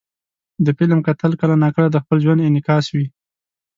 د فلم کتل کله ناکله د خپل ژوند انعکاس وي.